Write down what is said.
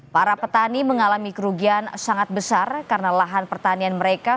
para petani mengalami kerugian sangat besar karena lahan pertanian mereka